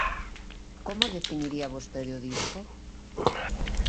Como definiría vostede o disco?